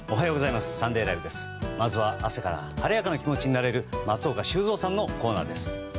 まずは朝から晴れやかな気持ちになれる松岡修造さんのコーナーです。